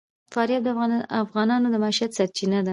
فاریاب د افغانانو د معیشت سرچینه ده.